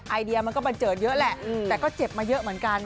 ไอเดียมันก็บันเจิดเยอะแหละแต่ก็เจ็บมาเยอะเหมือนกัน